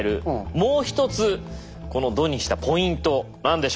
もう一つこの弩にしたポイント何でしょう？